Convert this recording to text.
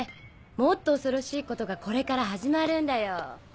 もっと恐ろしいことがこれから始まるんだよ。